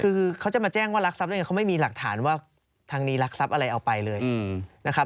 คือเขาจะมาแจ้งว่ารักทรัพย์ได้ไงเขาไม่มีหลักฐานว่าทางนี้รักทรัพย์อะไรเอาไปเลยนะครับ